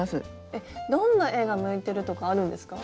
えっどんな絵が向いてるとかあるんですか？